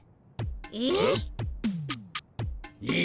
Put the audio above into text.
えっ？